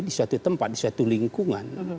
di suatu tempat di suatu lingkungan